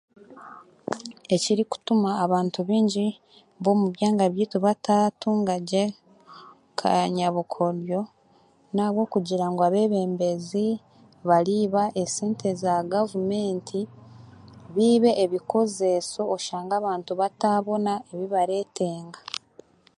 Ekirikutuma abantu baingi b'omu byanga byaitu bataatunga gye kanyabukoryo, n'ahabwokugira ngu abeebembezi bariiba esente za gavumenti, biibe ebikozeeso oshange n'abantu bataabona ebi bareetenga.